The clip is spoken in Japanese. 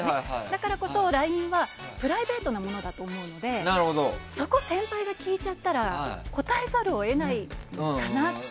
だからこそ、ＬＩＮＥはプライベートなものだと思うのでそこ、先輩が聞いちゃったら答えざるを得ないかなって。